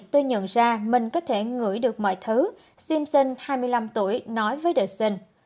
tôi nhận ra mình có thể ngửi được mọi thứ simpson hai mươi năm tuổi nói với the sun